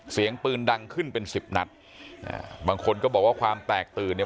เสียงปืนดังขึ้นเป็นสิบนัดอ่าบางคนก็บอกว่าความแตกตื่นเนี่ย